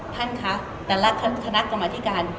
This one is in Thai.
ท่านคะแต่ละคณะกรรมธิการ